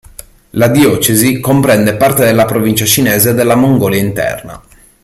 La diocesi comprende parte della provincia cinese della Mongolia Interna.